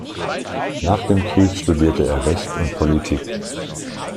Nach dem Krieg studierte er Recht und Politik.